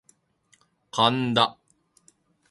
神田